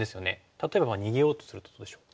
例えば逃げようとするとどうでしょう？